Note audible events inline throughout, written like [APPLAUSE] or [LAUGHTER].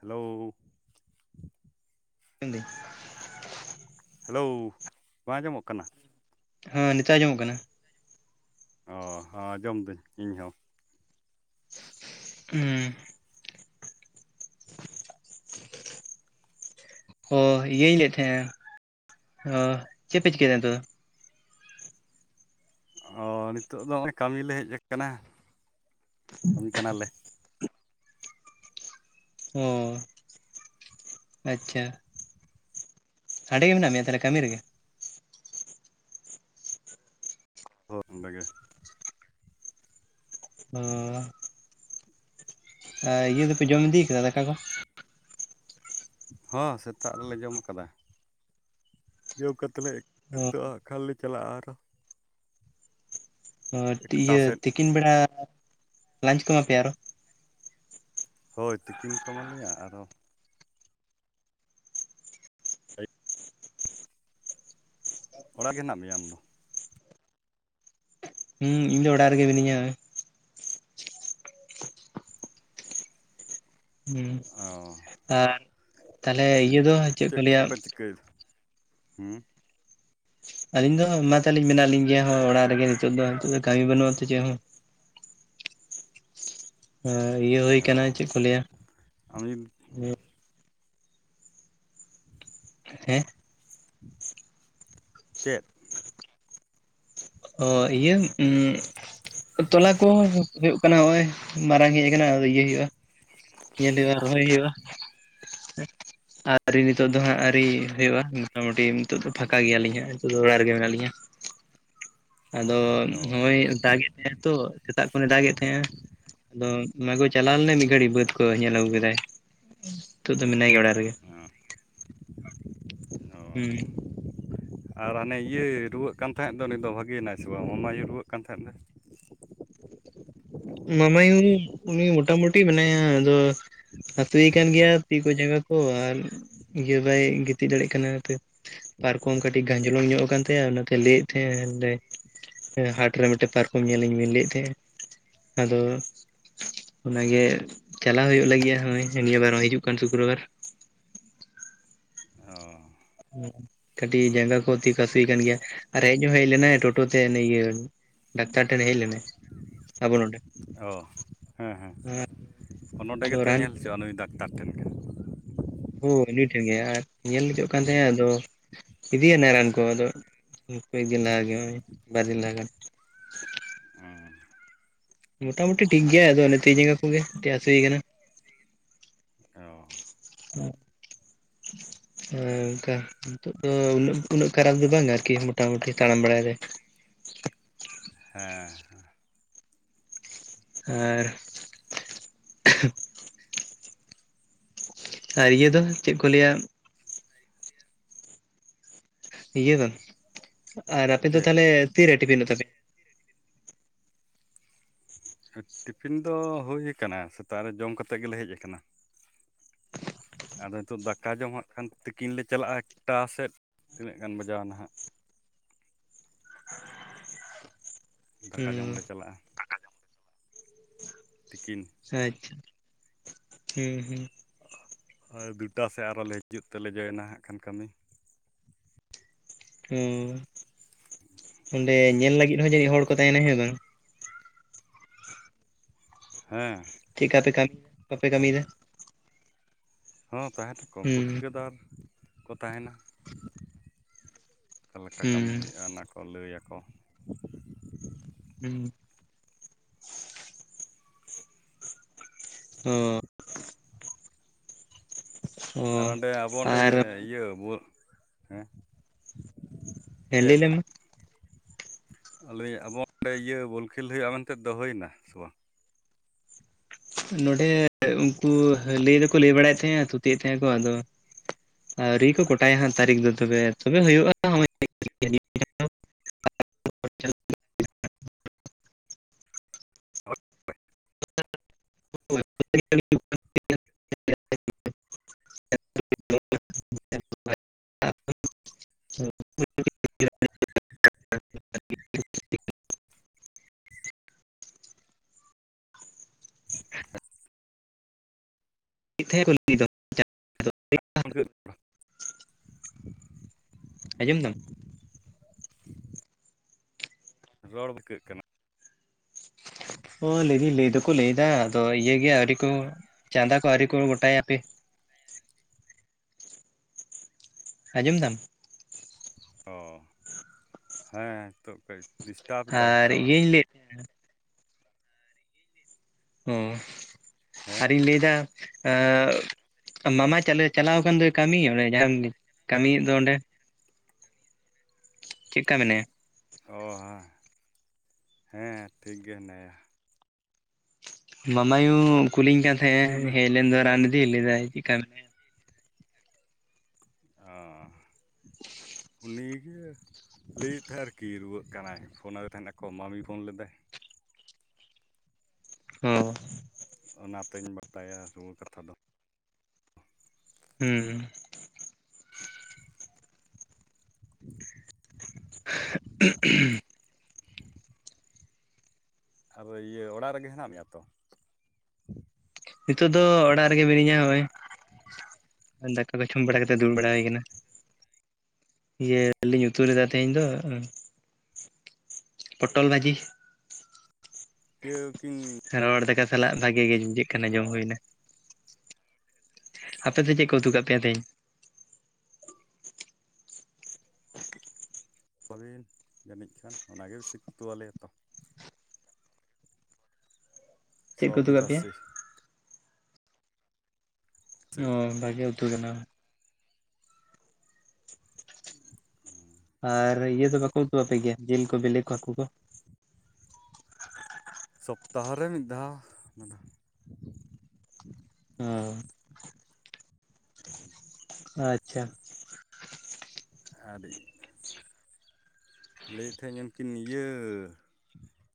Hello [UNINTELLIGIBLE] hello ᱵᱟᱝ ᱟᱸᱡᱚᱢᱚᱜ ᱠᱟᱱᱟ ᱦᱮᱸ ᱱᱮᱛᱚᱜ ᱟᱸᱢᱚᱜ ᱠᱟᱱᱟ ᱚ ᱡᱚᱢᱫᱟᱹᱧ ᱤᱧᱦᱚᱸ ᱦᱮᱸ ᱚᱻ ᱤᱭᱟᱹᱧ ᱞᱟᱹᱭᱮᱫ ᱛᱟᱦᱮᱸᱱᱟ ᱚ ᱪᱮᱫ ᱯᱮ ᱪᱤᱠᱟᱹᱭᱮᱫ ᱛᱚ ᱚ ᱱᱤᱛᱚᱜ ᱫᱚ ᱜᱮ ᱠᱟᱹᱢᱤᱞᱮ ᱦᱮᱡ ᱟᱠᱟᱱᱟ ᱠᱟᱹᱢᱤ ᱠᱟᱱᱟᱞᱮ ᱚ ᱟᱪᱪᱷᱟ ᱥᱟᱰᱮ ᱜᱮ ᱢᱮᱱᱟᱜ ᱢᱮᱭᱟ ᱛᱟᱦᱚᱞᱮ ᱠᱟᱹᱢᱤ ᱨᱮᱜᱮ ᱦᱳᱭ ᱚᱸᱰᱮ ᱜᱮ ᱦᱮᱸ ᱤᱭᱟᱹ ᱫᱚᱯᱮ ᱡᱚᱢ ᱤᱫᱤᱭ ᱠᱟᱫᱟ ᱫᱟᱠᱟ ᱠᱚ ᱦᱚᱸ ᱥᱮᱛᱟᱜ ᱨᱮᱞᱮ ᱡᱚᱢ ᱟᱠᱟᱫᱟ ᱡᱚ ᱠᱟᱛᱮ ᱞᱮᱛᱩᱟᱹᱜᱼᱟ ᱠᱷᱟᱹᱞᱤ ᱪᱞᱟᱟᱜ ᱟᱨᱚ ᱚ ᱮᱠᱴᱟ ᱤᱭᱟᱹ ᱥᱮᱫ ᱛᱤᱠᱤᱱ ᱵᱮᱲᱟ ᱞᱟᱧᱪ ᱠᱚ ᱮᱢᱟ ᱯᱮᱭᱟ ᱟᱨᱚ ᱦᱳᱭ ᱛᱤᱠᱤᱱ ᱠᱚᱢᱟ ᱞᱮᱭᱟ ᱟᱨᱚ ᱚᱲᱟᱜ ᱜᱮ ᱱᱟᱜ ᱢᱮᱭᱟ ᱟᱢ ᱫᱚ ᱦᱩᱸ ᱤᱧ ᱫᱚ ᱚᱲᱟᱜ ᱨᱮᱜᱮ ᱢᱤᱱᱟᱹᱧᱟ ᱦᱮᱸ ᱚ ᱟᱨ ᱛᱟᱦᱚᱞᱮ ᱤᱭᱟᱹ ᱫᱚ ᱪᱮᱫ ᱠᱚ ᱞᱟᱹᱭᱟ [UNINTELLIGIBLE] ᱠᱟᱹ ᱫᱚ ᱟᱹᱞᱤᱧ ᱫᱚ ᱢᱟ ᱛᱟᱞᱤᱧ ᱢᱮᱱᱟᱜ ᱞᱤᱧ ᱜᱮᱭᱟ ᱚᱲᱟᱜ ᱨᱮᱜᱮ ᱱᱤᱛᱚᱜ ᱫᱚ ᱱᱤᱛ ᱫᱚ ᱠᱟᱹᱢᱤ ᱵᱟᱹᱱᱩᱜ ᱟᱛᱚ ᱪᱮᱫ ᱦᱚᱸ ᱦ ᱤᱭᱟᱹ ᱦᱩᱭ ᱚ ᱟᱠᱟᱱᱟ ᱪᱮᱫ ᱠᱚ ᱞᱟᱹᱭᱟ ᱟᱢᱤᱱ ᱦᱮᱸ ᱪᱮᱫ ᱚ ᱤᱭᱟᱹ ᱛᱚᱞᱟ ᱠᱚ ᱦᱩᱭᱩᱜ ᱠᱟᱱᱟ ᱱᱚᱜᱚᱭ ᱢᱟᱨᱟᱝ ᱦᱮᱡ ᱟᱠᱟᱱᱟ ᱤᱭᱟᱹ ᱦᱩᱭᱩᱜᱭᱼᱟ ᱧᱮᱞ ᱦᱩᱭᱩᱜᱼᱟ ᱨᱚᱦᱚᱭ ᱦᱩᱭᱩᱜᱼᱟ ᱟᱣᱨᱤ ᱱᱤᱛᱚᱜᱜ ᱫᱚ ᱦᱟᱸᱜ ᱟᱹᱣᱨᱤ ᱦᱩᱭᱩᱜᱼᱟ ᱢᱚᱴᱟᱢᱩᱴᱤ ᱱᱤᱛᱚᱜ ᱫᱚ ᱯᱷᱟᱸᱠᱟ ᱜᱮᱭᱟᱞᱤᱧ ᱦᱜ ᱱᱤᱛᱚᱜ ᱫᱚ ᱚᱲᱟᱜ ᱨᱮᱜᱮ ᱢᱮᱱᱟᱜ ᱞᱤᱧᱟ ᱟᱫᱚ ᱚ ᱱᱚᱜ ᱚᱭ ᱫᱟᱜ ᱮᱫ ᱛᱟᱦᱮᱸᱱᱟ ᱛᱚ ᱥᱮᱛᱟᱜ ᱠᱷᱚᱱᱮ ᱫᱟᱜᱮᱫ ᱛᱟᱦᱮᱸᱼᱟ ᱟᱫᱚ ᱚᱱᱟ ᱠᱚ ᱪᱟᱞᱟᱣ ᱞᱮᱱᱟ ᱢᱤᱫ ᱜᱷᱟᱹᱲᱤᱡ ᱵᱟᱹᱫ ᱠᱚ ᱧᱮᱞ ᱟᱹᱜᱩ ᱠᱮᱫᱟᱭ ᱱᱤᱛᱚᱜ ᱫᱚ ᱢᱮᱱᱟᱭ ᱜᱮᱭᱟ ᱚᱲᱟᱜ ᱨᱮᱜᱮ ᱦᱮᱸ ᱚ ᱦᱮᱸ ᱟᱨ ᱦᱟᱱᱮ ᱤᱭᱟᱹ ᱨᱩᱣᱟᱹᱜ ᱠᱟᱱ ᱛᱟᱦᱮᱸᱫ ᱫᱚ ᱫᱚ ᱵᱷᱟᱜᱮᱭᱮᱱᱟᱭ ᱥᱮ ᱵᱟᱝ ᱢᱟᱢᱟ ᱟᱭᱳ ᱨᱩᱣᱟᱹᱜ ᱠᱟᱱ ᱛᱟᱦᱮᱸᱫ ᱫᱚ ᱢᱟᱢᱟᱭᱩ ᱩᱱᱤ ᱢᱚᱴᱟᱢᱩᱴᱤ ᱢᱮᱱᱟᱭᱟ ᱟᱫᱚ ᱦᱛᱩᱭᱮ ᱠᱟᱱ ᱜᱮᱭᱟ ᱛᱤ ᱠᱚ ᱡᱟᱸᱜᱟ ᱠᱚ ᱟᱨ ᱤᱭᱟᱹ ᱵᱟᱭ ᱜᱤᱛᱤᱡ ᱫᱟᱲᱮᱭᱟᱜ ᱠᱟᱱᱟ ᱯᱟᱨᱠᱚᱢ ᱠᱟᱹᱴᱤᱡ ᱜᱷᱟᱸᱡᱚᱞᱚᱢ ᱧᱚᱜ ᱟᱠᱛᱟ ᱚᱱᱟᱛᱮ ᱞᱟᱹᱭᱮᱫ ᱛᱟᱦᱮᱸᱟᱸᱱᱟᱰᱮ ᱦᱟᱴ ᱨᱮ ᱢᱤᱫᱴᱮᱱ ᱯᱟᱨᱠᱚᱢ ᱧᱮᱞ ᱤᱧ ᱵᱮᱤᱱ ᱞᱟᱹᱭᱮᱫ ᱛᱟᱦᱮᱸᱱᱟ ᱟᱫᱚ ᱚᱱᱟᱜ ᱜᱮ ᱪᱟᱞᱟᱟᱜ ᱦᱩᱭᱩᱜ ᱞᱟᱹᱜᱤᱫᱼᱟ ᱱᱤᱭᱟᱹ ᱵᱟᱨ ᱦᱚᱸ ᱦᱤᱡᱩᱜ ᱠᱟᱱ ᱥᱩᱠᱨᱚ ᱵᱟᱨ ᱚ ᱠᱟᱹᱴᱤᱡ ᱡᱟᱸᱜᱟ ᱠᱚ ᱛᱤ ᱠᱚ ᱦᱟᱹᱥᱩᱭ ᱠᱟᱱ ᱜᱮᱭᱟ ᱟᱨ ᱦᱮᱡ ᱦᱚᱸ ᱦᱮᱡ ᱞᱮᱱᱟᱭ ᱴᱳᱴᱳ ᱛᱮ ᱱᱩᱭ ᱤᱭᱟᱹ ᱰᱟᱠᱛᱟᱨ ᱴᱷᱮᱱ ᱮ ᱦᱮᱡ ᱞᱮᱱᱟᱭ ᱟᱵᱚ ᱱᱚᱸᱰᱮ ᱚ [UNINTELLIGIBLE] [INAUDIBLE] ᱦᱚᱸ ᱱᱚᱸᱰᱮ ᱟᱫᱚ ᱜᱮᱛᱚᱭ ᱨᱟᱱ ᱧᱮᱞ ᱠᱚ ᱦᱚᱪᱚᱼᱟ ᱱᱩᱭ ᱰᱟᱠᱛᱟᱨ ᱴᱷᱮᱱ ᱜᱮ ᱦᱳᱭ ᱩᱱᱤ ᱴᱷᱮᱱ ᱜᱮ ᱟᱨ ᱧᱮᱞ ᱦᱚᱪᱚᱜ ᱠᱟᱱ ᱛᱟᱦᱮᱸᱫ ᱟᱭ ᱟᱫᱚ ᱤᱫᱤᱭᱟᱱᱟ ᱨᱟᱱ ᱠᱚ ᱟᱫᱚ ᱠᱚᱭᱮᱠ ᱫᱤᱱ ᱞᱟᱦᱟ ᱜᱮ ᱵᱟᱨᱫᱤᱱ ᱞᱟᱦᱟ ᱜᱟᱱ [INAUDIBLE] ᱚᱢ ᱢᱚᱴᱟᱢᱩᱴᱤ ᱴᱷᱤᱠ ᱜᱮᱭᱟᱭ ᱟᱫᱚ ᱚᱱᱮ ᱛᱤ ᱡᱟᱝᱜᱟ ᱠᱚᱜᱮ ᱠᱟᱹᱴᱤᱡ ᱦᱟᱹᱥᱩᱭ ᱠᱟᱱᱟ ᱚ ᱦᱢ ᱦᱮᱸ ᱚᱱᱠᱟ ᱱᱤᱛᱚᱜ ᱫᱚ ᱩᱱᱟᱹᱜ ᱩᱱᱟᱹᱜ ᱠᱷᱟᱨᱟ ᱫᱚ ᱵᱟᱝ ᱟᱨᱠᱤ ᱢᱚᱴᱟᱢᱩᱴᱤ ᱛᱟᱲᱟᱢ ᱵᱟᱲᱟᱭ ᱫᱟᱭ ᱦᱮᱸ ᱟᱨ ᱟᱨ ᱤᱭᱟᱹ ᱫᱚ ᱪᱮᱫ ᱠᱚ ᱞᱟᱹᱭᱟ ᱤᱭᱟᱹ ᱫᱚ ᱟᱨ ᱟᱯᱮ ᱫᱚ ᱪᱮᱫ ᱛᱟᱦᱚᱞᱮ ᱛᱤᱨᱮ ᱴᱤᱯᱷᱤᱱ ᱫᱚ ᱛᱟᱯᱮ ᱴᱤᱯᱷᱤᱱ ᱫᱚ ᱦᱩᱭ ᱟᱠᱟᱱᱟ ᱥᱮᱛᱟᱜ ᱨᱮ ᱡᱚᱢ ᱠᱟᱛᱮ ᱜᱮᱞᱮ ᱦᱮᱡ ᱟᱠᱟᱱᱟ ᱟᱫᱚ ᱱᱤᱛᱚᱜ ᱫᱟᱠᱟ ᱡᱚᱢ ᱦᱟᱸᱜ ᱠᱷᱟᱱ ᱛᱤᱠᱤᱱ ᱞᱮ ᱪᱟᱞᱟᱜᱼᱟ ᱮᱠᱴᱟ ᱥᱮᱫ ᱛᱤᱱᱟᱹᱜ ᱜᱟᱱ ᱵᱟᱡᱟᱣ ᱱᱟ ᱦᱟᱸᱜ ᱫᱟᱠᱟ ᱡᱚᱢ ᱦᱩᱸ ᱞᱮ ᱪᱟᱞᱟᱜᱼᱟ ᱛᱤᱠᱤᱱ ᱟᱪᱪᱷᱟ [INAUDIBLE] ᱦᱢ ᱦᱢ ᱦᱚᱭ ᱫᱩᱴᱟ ᱥᱮᱫ ᱟᱨᱦᱚᱞᱮ ᱦᱤᱡᱩᱜ ᱛᱮᱞᱮ ᱡᱚᱭᱮᱱᱟ ᱦᱟᱸᱜ ᱠᱷᱟᱱ ᱠᱟᱹᱢᱤ ᱦᱩᱸ ᱚᱸᱰᱮ ᱧᱮᱞ ᱞᱟᱹᱜᱤᱫ ᱦᱚᱸ ᱡᱟᱹᱱᱤᱡ ᱦᱚᱲ ᱠᱚ ᱛᱟᱦᱮᱱᱟ ᱦᱮᱸ ᱵᱟᱝ ᱦᱮᱸ ᱪᱮᱫᱠᱟ ᱛᱮ [INAUDIBLE] ᱵᱟᱯᱮ ᱠᱟᱹᱢᱤᱭ ᱫᱟ ᱛᱟᱦᱮᱱᱟᱠᱚ ᱦᱚᱸ ᱛᱟᱦᱮᱱᱟᱠᱚ ᱩᱱᱠᱩ ᱦᱩᱸ ᱴᱷᱤᱠᱟᱹᱫᱟᱨ ᱠᱚ ᱛᱟᱦᱮᱱᱟ ᱚᱠᱟ ᱞᱮᱠᱟ ᱦᱩᱸ ᱠᱟᱹᱢᱤ ᱦᱩᱭᱩᱜᱼᱟ ᱚᱱᱟᱠᱚ ᱞᱟᱹᱭᱟᱠᱚ ᱦᱩᱸ ᱚ [INAUDIBLE] ᱟᱨ ᱚᱸᱰᱮ ᱟᱵᱚ ᱚᱸᱰᱮ ᱟᱨ ᱤᱭᱟᱹ ᱤᱭᱟᱹ ᱵᱳᱞ ᱦᱮᱸ ᱦᱮᱸ ᱞᱟᱹᱭᱞᱮᱢ ᱢᱟ ᱞᱟᱹᱭ ᱮᱫ ᱟᱹᱧ ᱟᱵᱚ ᱚᱸᱰᱮ ᱤᱭᱟᱹ ᱵᱚᱞ ᱠᱷᱮᱞ ᱦᱩᱭᱩᱜᱼᱟ ᱢᱮᱱᱛᱮ ᱫᱚ ᱦᱩᱭᱮᱱᱟ ᱥᱮ ᱵᱟᱝ ᱱᱚᱸᱰᱮ ᱩᱱᱠᱩ ᱞᱟᱹᱭ ᱫᱚᱠᱚ ᱞᱟᱹᱭ ᱵᱟᱲᱟᱭᱮᱫ ᱛᱟᱸᱦᱮᱫ-ᱟ ᱛᱷᱩᱛᱤᱭᱮᱫ ᱛᱟᱸᱦᱮᱜ ᱟᱠᱚ ᱟᱫᱚ ᱟᱹᱣᱨᱤ ᱠᱚ ᱠᱚᱴᱟᱭᱟ ᱦᱟᱸᱜ ᱛᱟᱹᱨᱤᱠᱷ ᱫᱚ ᱛᱚᱵᱮ ᱛᱚᱵᱮ ᱦᱩᱭᱩᱜᱼᱟ [UNINTELLIGIBLE] [UNINTELLIGIBLE] [UNINTELLIGIBLE] [UNINTELLIGIBLE] [UNINTELLIGIBLE] [INAUDIBLE] ᱟᱸᱡᱚᱢ ᱫᱟᱢ [INAUDIBLE] ᱨᱚᱲ [UNINTELLIGIBLE] ᱠᱟᱱᱟ ᱚ ᱞᱟᱹᱭ ᱫᱟᱹᱧ ᱞᱟᱹᱭ ᱫᱚᱠᱚ ᱞᱟᱹᱭᱫᱟ ᱟᱫᱚ ᱤᱭᱟᱹᱜᱮ ᱟᱹᱣᱨᱤ ᱠᱚ ᱪᱟᱸᱫᱟ ᱠᱚ ᱟᱣᱨᱤᱠᱚ ᱜᱚᱴᱟᱭᱟ ᱦᱟᱯᱮ ᱟᱸᱡᱚᱢ ᱫᱟᱢ ᱚ ᱦᱮᱸ ᱱᱤᱛᱳᱜ ᱠᱟᱹᱡ ᱰᱤᱥᱴᱟᱵᱽᱫᱟᱭ ᱟᱨ ᱴᱟᱣᱟᱨ [UNINTELLIGIBLE] ᱚ ᱦᱮᱸ ᱟᱨᱤᱧ ᱞᱟᱹᱭ ᱫᱟ ᱢᱟ ᱢᱟᱢᱟ ᱪᱟᱞᱮ ᱪᱟᱞᱟᱣ ᱟᱠᱟᱱ ᱫᱚᱭ ᱠᱟᱹᱢᱤ ᱚᱰᱮ ᱡᱟᱦᱟᱸᱢ ᱠᱟᱹᱢᱤᱭᱮᱫ ᱫᱚ ᱚᱸᱰᱮ ᱪᱮᱫᱠᱟ ᱢᱮᱱᱟᱭᱟ? ᱚ ᱦᱮᱸ ᱦᱮᱸ ᱴᱷᱤᱠ ᱜᱮ ᱦᱮᱱᱟᱭᱟ ᱢᱟᱢᱟᱭᱩ ᱠᱩᱞᱤᱧ ᱠᱟᱱ ᱛᱟᱦᱮᱸᱫ-ᱟᱭ ᱩᱱᱤ ᱦᱮᱡ ᱞᱮᱱ ᱫᱚᱭ ᱨᱟᱱ ᱤᱫᱤ ᱞᱟᱹᱭ ᱮᱫᱟᱭ ᱪᱮᱫ ᱞᱮᱠᱟ ᱢᱮᱱᱟᱭᱟ ᱚ ᱩᱱᱤᱜᱮ ᱞᱟᱹᱭ ᱮᱫ ᱛᱟᱦᱮᱸ ᱟᱨᱠᱤ ᱨᱩᱣᱟᱹᱜ ᱠᱟᱱᱟᱭ ᱯᱷᱳᱱᱟᱫᱮ ᱛᱟᱦᱮᱱᱟᱠᱚ ᱢᱟᱢᱤ ᱯᱷᱳᱱ ᱞᱮᱫᱟᱭ ᱦᱚᱸ ᱚᱱᱟᱛᱮᱧ ᱵᱟᱰᱟᱭᱟ ᱨᱩᱣᱟᱹ ᱠᱟᱛᱷᱟ ᱫᱚ ᱦᱩᱸ [INAUDIBLE] [UNINTELLIGIBLE] ᱟᱨ ᱤᱭᱟᱹ ᱚᱲᱟᱜ ᱨᱮᱜᱮ ᱦᱮᱱᱟᱜ ᱢᱮᱭᱟ ᱛᱚ ᱱᱤᱛᱚᱜ ᱫᱚ ᱚᱲᱟᱜ ᱨᱮᱜᱮ ᱢᱤᱱᱟᱹᱧᱟ ᱦᱚᱜᱼᱚᱭ ᱫᱟᱠᱟ ᱠᱚ ᱡᱚᱢ ᱵᱟᱲᱟ ᱠᱟᱛᱮ ᱫᱩᱲᱩᱵ ᱚ ᱵᱟᱲᱟ ᱦᱩᱭ ᱠᱟᱱᱟ ᱤᱭᱟᱹ ᱞᱤᱧ ᱩᱛᱩ ᱞᱮᱫᱟ ᱛᱟᱦᱮᱸᱧ ᱫᱚ ᱯᱚᱴᱚᱞ ᱵᱷᱟᱹᱡᱤ ᱤᱭᱟᱹ ᱠᱤᱱ ᱨᱚᱦᱚᱲ ᱫᱟᱠᱟ ᱥᱟᱞᱟᱜ ᱵᱷᱟᱜᱮ ᱜᱮ ᱵᱩᱡᱷᱟᱹᱜ ᱠᱟᱱᱟ ᱚ ᱡᱚᱢ ᱦᱩᱭ ᱮᱱᱟ ᱟᱯᱮ ᱫᱚ ᱪᱮᱫ ᱠᱚ ᱩᱛᱩ ᱠᱟᱜ ᱯᱮᱭᱟ ᱛᱮᱦᱮᱸᱧ ᱥᱚᱦᱟᱵᱤᱱ ᱡᱟᱹᱱᱤᱡ ᱠᱷᱟᱱ ᱚᱱᱟᱜᱮ ᱵᱤᱥᱤ ᱠᱚ ᱩᱛᱩ ᱟᱞᱮᱭᱟ ᱛᱚ ᱪᱮᱫ ᱠᱚ ᱩᱛᱩ ᱥᱚᱣᱟᱵᱤᱱ ᱠᱟᱜ ᱯᱮᱭᱟ ᱨᱟᱥᱮ ᱥᱮ ᱚ ᱵᱷᱟᱜᱮ ᱩᱛᱩ ᱠᱟᱱᱟ ᱦᱩ ᱟᱨ ᱤᱭᱟᱹ ᱫᱚ ᱵᱟᱠᱚ ᱩᱛᱩᱜ ᱟᱯᱮᱜᱮᱭᱟ ᱡᱤᱞ ᱠᱚ ᱵᱤᱞᱤ ᱠᱚ ᱦᱟᱹᱠᱩ ᱠᱚ ᱥᱚᱯᱛᱟᱦᱚ ᱨᱮ ᱢᱤᱫ ᱫᱷᱟᱣ ᱚᱱᱟ ᱚ ᱟᱪᱪᱷᱟ ᱟᱹᱰᱤ [UNINTELLIGIBLE] ᱞᱟᱹᱭ ᱮᱫ ᱛᱟᱦᱮᱱᱧ ᱩᱱᱠᱤᱱ ᱤᱭᱟᱹ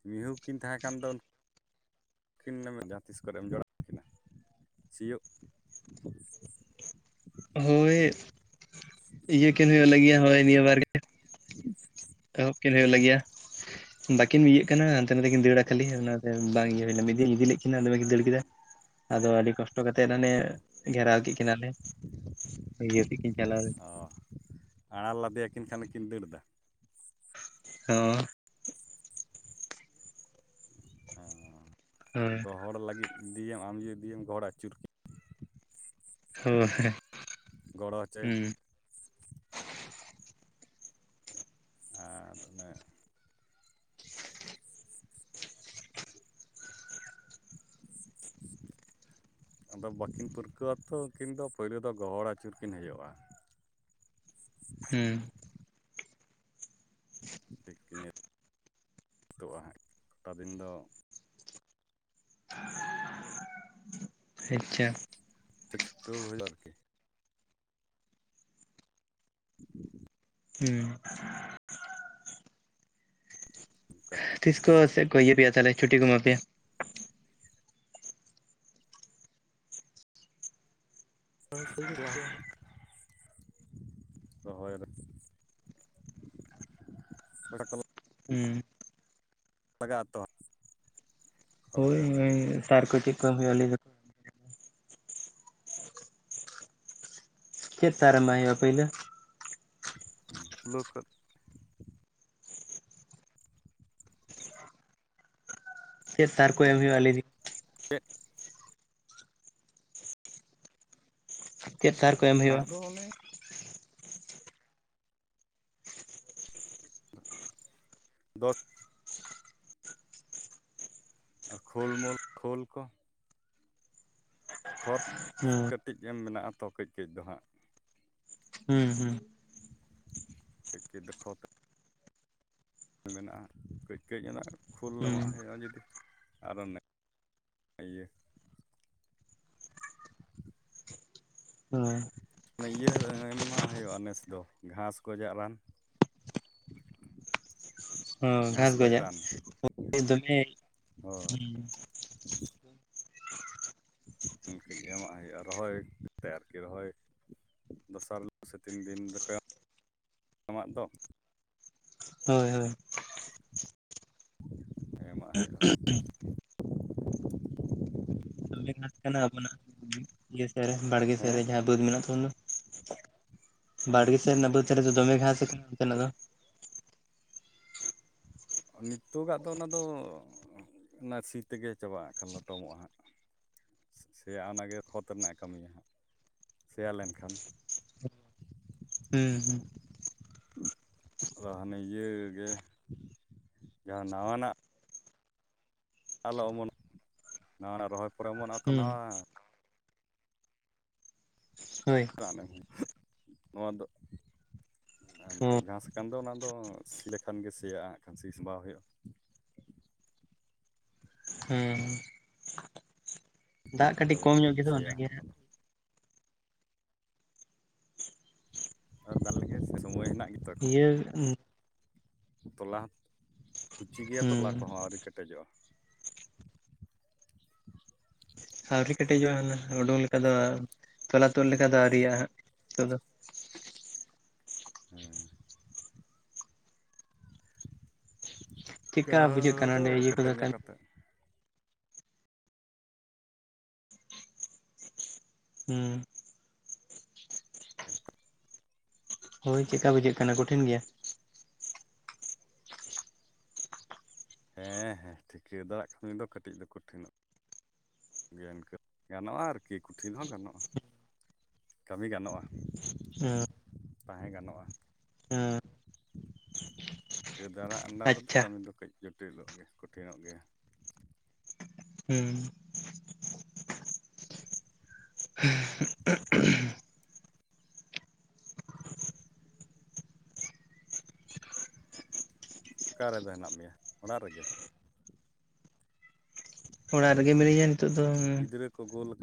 ᱢᱤᱦᱩ ᱠᱤᱱ ᱛᱟᱦᱮᱸ ᱠᱟᱱ ᱫᱚ ᱩᱱᱠᱤᱱ ᱡᱟᱦᱟᱸ ᱛᱤᱥ ᱠᱚᱨᱮ ᱮᱢ ᱡᱚᱲᱟ ᱠᱤᱱᱟ ᱥᱤᱭᱳᱜ ᱦᱳᱭ ᱤᱭᱟᱹ ᱠᱤᱱ ᱦᱩᱭᱩᱜ ᱞᱟᱹᱜᱤᱫ ᱦᱳᱭ ᱱᱤᱭᱟᱹ ᱵᱟᱨ ᱜᱮ ᱮᱦᱚᱵ ᱠᱤᱱ ᱦᱩᱭᱩᱜ ᱞᱟᱹᱜᱤᱫᱟ ᱵᱟᱹᱠᱤᱱ ᱤᱭᱟᱹᱜ ᱠᱟᱱᱟ ᱦᱟᱱᱛᱮ ᱱᱟᱛᱮ ᱠᱤᱱ ᱫᱟᱹᱲᱟ ᱠᱷᱟᱹᱞᱤ ᱚᱱᱟᱛᱮ ᱵᱟᱝ ᱤᱭᱟᱹ ᱦᱩᱭ ᱮᱱᱟ ᱢᱤᱫ ᱫᱤᱱ ᱤᱫᱤ ᱞᱮᱫ ᱠᱤᱱᱟ ᱫᱚᱢᱮᱠᱤᱱ ᱫᱟᱹᱲ ᱠᱮᱫᱟ ᱟᱫᱚ ᱟᱹᱰᱤ ᱠᱚᱥᱴᱚ ᱠᱟᱛᱮᱫ ᱦᱟᱱᱮ ᱜᱷᱮᱨᱟᱣ ᱠᱮᱫ ᱠᱤᱱᱟᱹᱞ ᱞᱮ ᱤᱭᱟᱹ ᱠᱮᱫ ᱠᱤᱱ ᱤᱭᱟᱹ ᱥᱮᱫ ᱠᱤᱱ ᱪᱟᱞᱟᱣ ᱞᱮᱱᱟ ᱚ ᱟᱲᱟᱨ ᱞᱟᱫᱮᱭᱟᱠᱤᱱ ᱠᱷᱟᱱᱠᱤᱱ ᱫᱟᱹᱲ ᱮᱫᱟ ᱦᱚ ᱚ ᱦᱳᱭ ᱜᱚᱦᱚᱲ ᱞᱟᱹᱜᱤᱫ ᱤᱫᱤᱭᱮᱢ ᱟᱢ ᱡᱩᱫᱤ ᱤᱫᱤᱭᱮᱢ ᱜᱚᱦᱚᱲ ᱟᱹᱪᱩᱨ ᱠᱮᱫ ᱦᱳᱭ ᱜᱚᱲᱚ ᱦᱚᱪᱚ ᱮᱢ ᱦᱩᱸ ᱟᱨ ᱚᱱᱮ ᱟᱫᱚ ᱵᱟᱠᱤᱱ ᱯᱮᱨᱠᱟᱹᱣ ᱟᱛᱚ ᱩᱱᱠᱤᱱ ᱫᱚ ᱯᱳᱭᱞᱳ ᱫᱚ ᱜᱚᱦᱚᱲ ᱟᱹᱪᱩᱨ ᱠᱤᱱ ᱦᱩᱭᱩᱜᱼᱟ ᱦᱮᱸ ᱴᱷᱤᱠ ᱤᱱᱼᱟ ᱮᱭ ᱠᱚᱴᱟ ᱫᱤᱱ ᱫᱚ ᱟᱪᱪᱷᱟ ᱮ ᱪᱷᱩᱴᱟᱹᱣ ᱦᱩᱭᱩᱜᱼᱟ ᱟᱨᱠᱤ [UNINTELLIGIBLE] ᱦᱮᱸ ᱠᱟᱹᱴᱤᱡ ᱛᱤᱥᱠᱚ ᱥᱮ ᱤᱭᱟᱹ ᱯᱮᱭᱟ ᱛᱟᱦᱚᱞᱮ ᱪᱷᱩᱴᱤ ᱠᱚᱮᱢᱟ ᱯᱮᱭᱟ ᱫᱚᱦᱚᱭ [UNINTELLIGIBLE] [UNINTELLIGIBLE] ᱦᱮᱸ ᱞᱟᱜᱟᱜ ᱟᱛᱚ ᱦᱳᱭ ᱤᱱᱟᱹ ᱥᱟᱨ ᱠᱚ ᱪᱮᱫ ᱠᱚ ᱮᱢ ᱦᱩᱭᱩᱜ ᱟᱛᱚ ᱪᱮᱫ ᱥᱟᱨ ᱮᱢᱟᱜ ᱦᱳᱭᱳᱜᱼᱟ ᱯᱳᱭᱞᱳ [UNINTELLIGIBLE] ᱪᱮᱫ ᱥᱟᱨ ᱠᱚ ᱮᱢ ᱦᱩᱭᱩᱜᱼᱟ ᱞᱟᱹᱭ ᱵᱤᱱ? [UNINTELLIGIBLE] ᱪᱮᱫ ᱥᱟᱨ ᱠᱚ ᱮᱢ ᱦᱩᱭᱩᱜᱼᱟ? ᱟᱨᱫᱚ ᱚᱱᱮ ᱫᱚᱥ ᱟᱨ ᱠᱷᱳᱞ ᱢᱳᱞ ᱠᱷᱳᱞ ᱠᱚ ᱾ ᱠᱷᱚᱛ ᱦᱩᱸ ᱾ ᱠᱟᱹᱴᱤᱡ ᱮᱢ ᱢᱮᱱᱟᱜᱼᱟ ᱛᱚ ᱠᱟᱹᱡ ᱠᱟᱹᱡ ᱫᱚ ᱦᱟᱸᱜ ᱾ ᱦᱩᱸ ᱦᱩᱸ ᱾ ᱠᱟᱹᱡ ᱠᱟᱹᱡ ᱫᱚ ᱠᱷᱚᱛ ᱢᱮᱱᱟᱜᱼᱟ ᱠᱟᱹᱡ ᱠᱟᱹᱡ ᱚᱱᱟ ᱠᱷᱩᱞ ᱦᱩᱸ ᱮᱢᱟᱜ ᱦᱩᱸ ᱦᱩᱭᱩᱜᱼᱟ ᱡᱩᱫᱤ ᱟᱨᱚ [UNINTELLIGIBLE] ᱦᱳᱭ ᱦᱟᱱᱮ ᱤᱭᱟᱹ ᱮᱢᱟᱜ ᱦᱩᱭᱩᱜᱼᱟ ᱱᱮᱥ ᱫᱚ ᱜᱷᱟᱸᱥ ᱜᱚᱡᱟᱜ ᱨᱟᱱ ᱾ [INAUDIBLE] ᱦᱸ ᱜᱷᱟᱥ ᱜᱷᱟᱸᱥ ᱜᱚᱡ ᱜᱚᱡᱟᱜ ᱨᱟᱱ ᱫᱚᱢᱮ ᱦᱮᱸ ᱦᱳᱭ ᱤᱱᱠᱟᱹᱜ ᱜᱮ ᱮᱢᱟᱜ ᱦᱩᱭᱩᱜᱼᱟ ᱨᱚᱦᱚᱭ ᱠᱟᱛᱮ ᱟᱨᱠᱤ ᱨᱚᱦᱚᱭ ᱫᱚᱥᱟᱨ ᱦᱤᱞᱳᱜ ᱥᱮ ᱛᱤᱱ ᱫᱤᱱ ᱨᱮᱠᱚ ᱡᱚᱢᱟᱜ ᱫᱚ ᱾ ᱦᱳᱭ ᱦᱳᱭ ᱾ ᱮᱢᱟᱜ ᱦᱩᱭᱩᱜᱼᱟ ᱾ ᱫᱚᱢᱮ ᱜᱷᱟᱥ ᱠᱟᱱᱟ ᱟᱵᱚᱱᱟᱜ ᱤᱭᱟᱹ ᱥᱮᱫ ᱨᱮ ᱵᱟᱲᱜᱮ ᱥᱮᱫ ᱨᱮ ᱦᱮᱸ ᱡᱟᱦᱟᱸ ᱵᱟᱹᱫᱽ ᱢᱮᱱᱟᱜ ᱛᱟᱵᱚᱱ ᱫᱚ ᱾ ᱦᱮᱸ ᱵᱟᱲᱜᱮ ᱥᱮᱫ ᱨᱮᱱᱟᱜ ᱵᱟᱹᱫᱽ ᱨᱮᱫᱚ ᱫᱚᱢᱮ ᱜᱷᱟᱸᱥ ᱠᱟᱱᱟ ᱚᱱᱛᱮ ᱱᱟᱜ ᱫᱚ ᱾ ᱱᱤᱛᱚᱜᱟᱜ ᱫᱚ ᱚᱱᱟ ᱫᱚ ᱱᱟᱨᱥᱤ ᱛᱮᱜᱮ ᱪᱟᱵᱟᱜᱼᱟ ᱠᱷᱟᱱ ᱞᱚᱴᱚᱢᱚᱜᱼᱟ ᱦᱟᱸᱜ ᱾ ᱥᱮᱭᱟ ᱚᱱᱟ ᱜᱮ ᱠᱷᱚᱛ ᱨᱮᱱᱟᱜ ᱠᱟᱹᱢᱤᱭᱟ ᱦᱟᱸᱜ ᱥᱮᱭᱟ ᱞᱮᱱᱠᱷᱟᱱ ᱾ ᱦᱩᱸ ᱦᱩᱸ ᱾ ᱟᱫᱚ ᱦᱟᱱᱮ ᱤᱭᱟᱹ ᱜᱮ ᱡᱟᱦᱟᱸ ᱱᱟᱣᱟᱱᱟᱜ, ᱟᱞᱚ ᱚᱢᱚᱱ ᱱᱟᱣᱟᱱᱟᱜ ᱨᱚᱦᱚᱭ ᱯᱚᱨᱮ ᱚᱢᱚᱱᱚᱜᱼᱟᱛᱚ ᱦᱩᱸ ᱱᱟᱣᱟ ᱦᱳᱭ ᱨᱟᱱ ᱱᱚᱣᱟ ᱫᱚ ᱟᱨ ᱦᱚᱸ ᱱᱤᱛᱚᱜ ᱜᱷᱟᱸᱥ ᱠᱟᱱ ᱫᱚ ᱚᱱᱟ ᱫᱚ ᱥᱤ ᱞᱮᱠᱷᱟᱱ ᱜᱮ ᱥᱮᱭᱟᱜᱼᱟ ᱠᱷᱟᱱ ᱥᱤᱥ ᱥᱟᱵᱟᱳ ᱦᱩᱭᱩᱜᱼᱟ ᱾ ᱦᱮᱸ [INAUDIBLE] ᱫᱟᱜ ᱠᱟᱹᱴᱤᱡ ᱛᱟᱦᱚᱞᱮ ᱠᱚᱢ ᱠᱷᱟᱱ ᱧᱚᱜ ᱜᱮᱛᱚ ᱥᱮᱭᱟᱜᱼᱟ ᱚᱱᱟᱜᱮ ᱚᱱᱟ ᱦᱟᱸᱜ ᱫᱚ ᱾ [UNINTELLIGIBLE] ᱥᱮ ᱥᱚᱢᱚᱭ ᱦᱮᱱᱟᱜ ᱜᱮᱛᱚ ᱾ ᱤᱭᱟᱹ ᱛᱚᱞᱟ ᱠᱩᱪᱤ ᱜᱮᱭᱟ ᱦᱩᱸ ᱛᱚᱞᱟ ᱠᱚᱦᱚᱸ ᱟᱹᱣᱨᱤ ᱠᱮᱴᱮᱡᱚᱜᱼᱟ ᱾ ᱟᱹᱣᱨᱤ ᱠᱮᱴᱮᱡᱚᱜᱼᱟ ᱦᱩᱱᱟ ᱩᱰᱩᱠ ᱞᱮᱠᱟ ᱫᱚ ᱛᱚᱞᱟ ᱛᱩᱫ ᱞᱮᱠᱟ ᱫᱚ ᱟᱹᱣᱨᱤᱭᱟᱜ ᱦᱟᱸᱜ ᱱᱤᱛᱚᱜ ᱫᱚ ᱾ ᱦᱮᱸ ᱾ ᱜᱟ ᱪᱮᱫᱠᱟ ᱵᱩᱡᱷᱟᱹᱜ ᱚᱱᱟ ᱠᱟᱱᱟ ᱫᱚ ᱚᱸᱰᱮ ᱤᱭᱟᱹ ᱠᱮᱴᱮᱡ ᱠᱚᱫᱚ ᱧᱚᱜ ᱠᱟᱹᱢᱤ ᱠᱟ ᱠᱟᱛᱮ ᱾ ᱦᱩᱸ᱾ [INAUDIBLE] ᱦᱳᱭ ᱪᱮᱫᱮᱠᱟ ᱵᱩᱡᱷᱟᱹᱜ ᱠᱟᱱᱟ ᱠᱚᱴᱷᱤᱱ ᱜᱮᱭᱟ? ᱦᱮᱸ ᱦᱮᱸ ᱴᱷᱤᱠᱟᱹ ᱫᱟᱨᱟᱜ ᱠᱟᱢᱤ ᱫᱚ ᱠᱟᱹᱴᱤᱡ ᱫᱚ ᱠᱚᱴᱷᱤᱱᱚᱜ ᱤᱱᱠᱟᱹ ᱜᱟᱱᱚᱜᱼᱟ ᱟᱨᱠᱤ ᱠᱩᱴᱷᱤᱱ ᱦᱚᱸ ᱜᱟᱱᱚᱜᱼᱟ ᱠᱟᱹᱢᱤ ᱜᱟᱱᱚᱜᱼᱟ ᱾ ᱦᱩᱸ᱾ ᱛᱟᱦᱮᱸ ᱜᱟᱱᱚᱜᱼᱟ ᱦᱩᱸ ᱾ ᱴᱤᱠᱟᱹ ᱫᱟᱨᱟ ᱟᱱᱰᱟᱨ ᱨᱮᱫᱚ ᱟᱪᱪᱷᱟ ᱠᱟᱹᱢᱤ ᱫᱚ ᱠᱟᱹᱡ ᱡᱚᱴᱤᱞᱚᱜ ᱜᱮ ᱠᱚᱴᱷᱤᱱᱚᱜ ᱜᱮᱭᱟ ᱾ ᱦᱮᱸ ᱾ ᱦᱮᱸ ᱾ ᱚᱠᱟ ᱨᱮᱫᱚ ᱦᱮᱱᱟᱜ ᱢᱮᱭᱟ ᱚᱲᱟᱜ ᱨᱮᱜᱮ? ᱚᱲᱟᱜ ᱨᱮᱜᱮ ᱢᱤᱱᱟᱹᱧᱟ ᱱᱤᱛᱚᱜ ᱫᱚ ᱦᱩᱸ ᱜᱤᱫᱽᱨᱟᱹ ᱠᱚ ᱜᱳᱞ ᱟᱠᱟᱫ